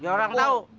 ya orang tau